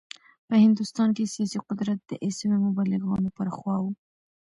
په هندوستان کې سیاسي قدرت د عیسوي مبلغانو پر خوا و.